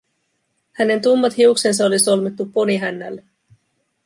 Hänen tummat hiuksensa oli solmittu ponihännälle.